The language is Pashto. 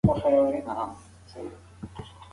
شاوخوا لس متره اوږدوالی لري.